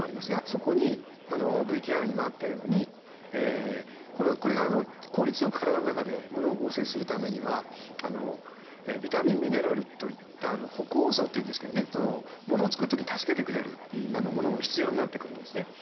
そこにＶＴＲにもあったようにこれが効率よく体の中でものを合成するためにはビタミンミネラルといった補酵素というんですけどねものを作る時に助けてくれるものも必要になってくるんですね。